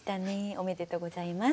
おめでとうございます。